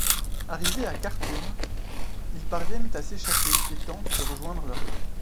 Arrivés à Khartoum, ils parviennent à s’échapper et tentent de rejoindre leur pères.